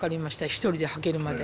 一人で履けるまで。